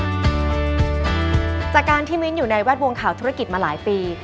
จากการที่มิ้นท์อยู่ในแวดวงข่าวธุรกิจมาหลายปี